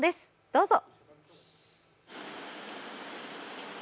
どうぞ。